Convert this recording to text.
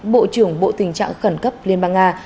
bộ trưởng bộ tình trạng khẩn cấp liên bang nga